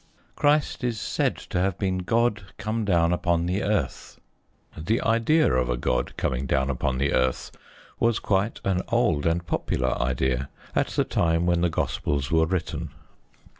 Christ is said to have been God come down upon the earth. The idea of a god coming down upon the earth was quite an old and popular idea at the time when the Gospels were written.